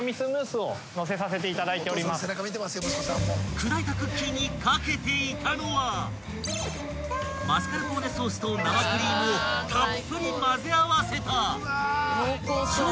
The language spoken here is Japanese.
［砕いたクッキーに掛けていたのはマスカルポーネソースと生クリームをたっぷり混ぜ合わせた］